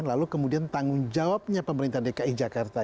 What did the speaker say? lalu kemudian tanggung jawabnya pemerintah dki jakarta